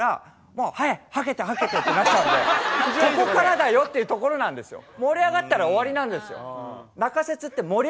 ハケて！」ってなっちゃうんでここからだよっていうところなんですよ。